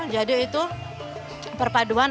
jadi itu perpaduan